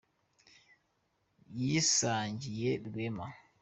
Yisangiye rwema